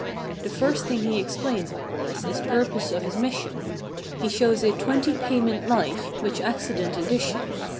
The first thing he explains, of course, is purpose of his mission. He shows a "Twenty Payment Life," which acci¬ dent addition.